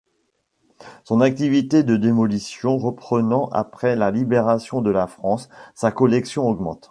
Son activité de démolition reprenant après la Libération de la France, sa collection augmente.